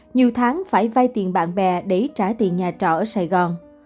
nhiều tháng phải vay tiền bạn bè để trả tiền nhà trọ ở sài gòn